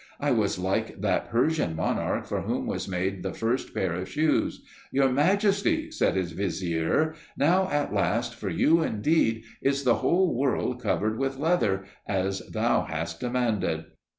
I was like that Persian monarch for whom was made the first pair of shoes. "Your Majesty," said his vizier, "now at last for you, indeed, is the whole world covered with leather, as thou hast demanded!"